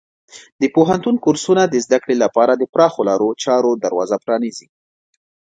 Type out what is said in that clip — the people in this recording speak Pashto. د پوهنتون کورسونه د زده کړې لپاره د پراخو لارو چارو دروازه پرانیزي.